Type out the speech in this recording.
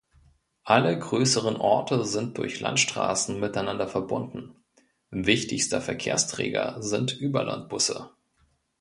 Alle größeren Orte sind durch Landstraßen miteinander verbunden, wichtigster Verkehrsträger sind Überlandbusse.